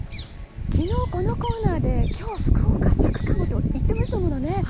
昨日このコーナーで今日福岡、咲くかもと言っていましたものね。